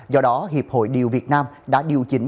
do đó hiệp hội điều việt nam đã điều chỉnh